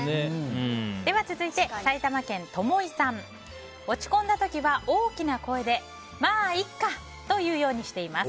続いて、埼玉県の方。落ち込んだ時は大きな声でまあ、いっか！と言うようにしています。